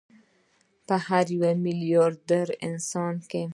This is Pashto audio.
په هر یو میلیارد انسان کې